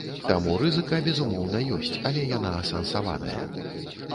Таму рызыка, безумоўна, ёсць, але яна асэнсаваная.